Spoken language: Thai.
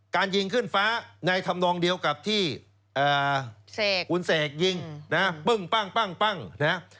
ยิงขึ้นฟ้าในธรรมนองเดียวกับที่คุณเสกยิงนะฮะปึ้งปั้งนะฮะ